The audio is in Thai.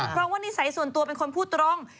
เพราะว่านิสัยส่วนตัวเป็นคนพูดตรง